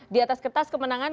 di atas kertas kemenangan